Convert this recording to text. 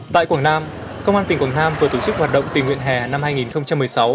tại quảng nam công an tỉnh quảng nam vừa tổ chức hoạt động tình nguyện hè năm hai nghìn một mươi sáu